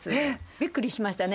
びっくりしましたね。